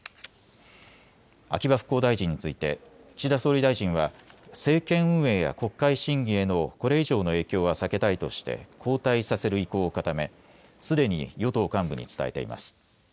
秋葉復興大臣について岸田総理大臣は政権運営や国会審議へのこれ以上の影響は避けたいとして交代させる意向を固め、すでに与党幹部に伝えています。